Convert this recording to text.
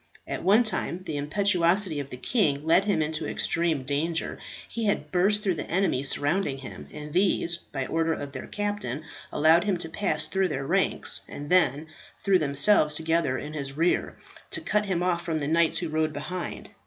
At one time the impetuosity of the king led him into extreme danger. He had burst through the enemy surrounding him, and these, by order of their captain, allowed him to pass through their ranks, and then threw themselves together in his rear, to cut him off from the knights who rode behind.